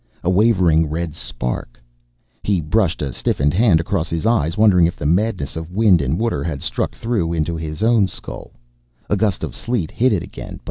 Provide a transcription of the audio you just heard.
A wavering red spark He brushed a stiffened hand across his eyes, wondering if the madness of wind and water had struck through into his own skull. A gust of sleet hid it again.